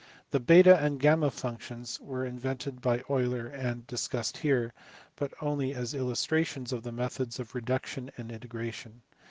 The Beta and Gamma* functions were invented by Euler and are discussed here, but only as illustrations of methods of reduction and integration.